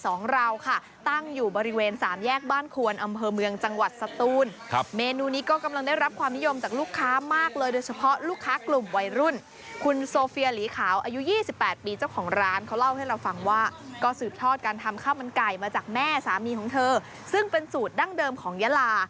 ของเราค่ะตั้งอยู่บริเวณสามแยกบ้านควนอำเภอเมืองจังหวัดสตูนครับเมนูนี้ก็กำลังได้รับความนิยมจากลูกค้ามากเลยโดยเฉพาะลูกค้ากลุ่มวัยรุ่นคุณโซเฟียหลีขาวอายุยี่สิบแปดปีเจ้าของร้านเขาเล่าให้เราฟังว่าก็สืบทอดการทำข้าวมันไก่มาจากแม่สามีของเธอซึ่งเป็นสูตรดั้งเดิมของยาลา